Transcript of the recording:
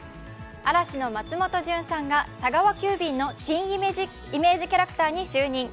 嵐の松本潤さんが佐川急便の新イメージキャラクターに就任。